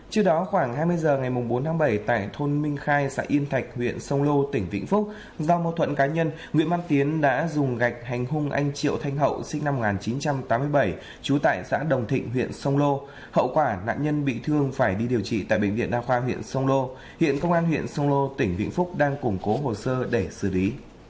trước đó khoảng hai mươi h ngày bốn bảy tại thôn minh khai xã yên thạch huyện sông lô tỉnh vĩnh phúc do mâu thuận cá nhân nguyễn văn tiến đã dùng gạch hành hung anh triệu thanh hậu sinh năm một nghìn chín trăm tám mươi bảy trú tại xã đồng thịnh huyện sông lô hậu quả nạn nhân bị thương phải đi điều trị tại bệnh viện đa khoa huyện sông lô hiện công an huyện sông lô tỉnh vĩnh phúc đang củng cố hồ sơ để xử lý